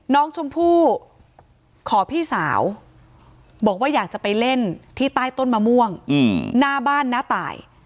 น้องชมพู่ขอพี่สาวบอกว่าอยากจะไปเล่นที่ใต้ต้นมะม่วงหน้าบ้านน้าตาย